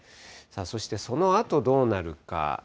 そしてそのあとどうなるか。